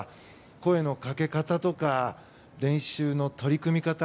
声のかけ方とか練習の取り組み方